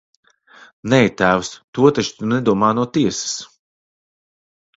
Nē, tēvs, to taču tu nedomā no tiesas!